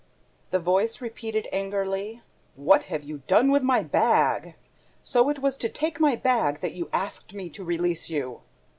The voice repeated angrily: "What have you done with my bag? So it was to take my bag that you asked me to release you!"